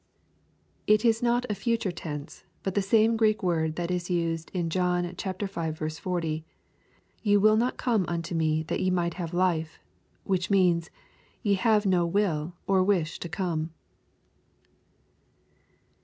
It is not a future tense, lit the same Greek word that is used in John v. 40 ;" Ye will not come unto me that ye might have life ;" which means, " ye have no will, or wish to come."